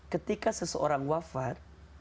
ketika seseorang wafat